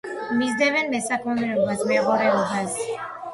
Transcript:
მისდევდნენ მესაქონლეობას, მეღორეობას.